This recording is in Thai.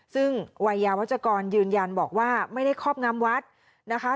ซึ่งวัยยาวัชกรยืนยันบอกว่าไม่ได้ครอบงำวัดนะคะ